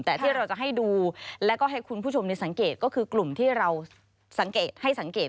แต่ที่เราจะให้ดูและให้คุณผู้ชมสังเกตก็คือกลุ่มที่เราให้สังเกต